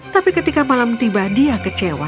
tapi ketika malam tiba dia kecewa